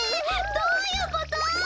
どういうこと？